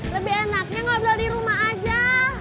lebih enaknya ngobrol di rumah aja